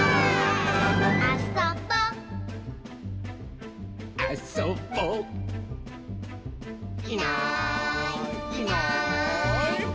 「あそぼ」「あそぼ」「いないいないばあっ！」